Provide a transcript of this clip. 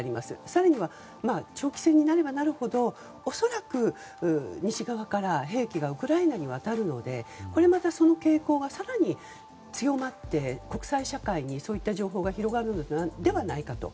更には、長期戦になればなるほど恐らく、西側から兵器がウクライナに渡るのでこれまたその傾向は更に強まって国際社会にそういった情報が広がるのではないかと。